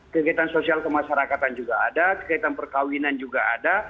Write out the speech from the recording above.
kegiatan sosial kemasyarakatan juga ada kegiatan perkawinan juga ada